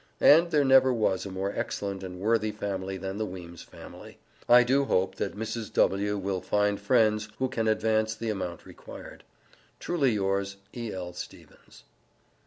And there never was a more excellent and worthy family than the Weems' family. I do hope, that Mrs. W. will find friends who can advance the amount required. Truly Yours, E.L. STEVENS.